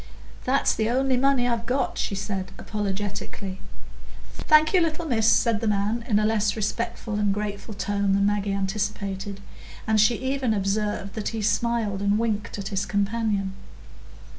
"That's the only money I've got," she said apologetically. "Thank you, little miss," said the man, in a less respectful and grateful tone than Maggie anticipated, and she even observed that he smiled and winked at his companion.